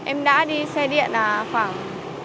em đã đi xe điện khoảng